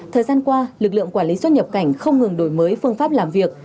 thời gian qua lực lượng quản lý xuất nhập cảnh không ngừng đổi mới phương pháp làm việc